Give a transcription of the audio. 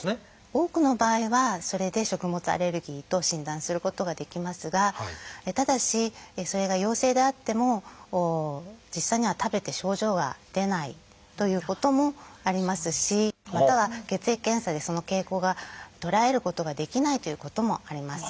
多くの場合はそれで食物アレルギーと診断することができますがただしそれが陽性であっても実際には食べて症状が出ないということもありますしまたは血液検査でその傾向が捉えることができないということもあります。